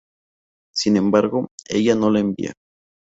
Sin embargo, ella no la envía.